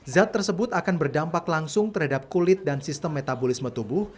zat tersebut akan berdampak langsung terhadap kulit dan sistem metabolisme tubuh